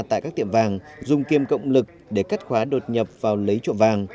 tại các tiệm vàng dùng kiêm cộng lực để cắt khóa đột nhập vào lấy trộm vàng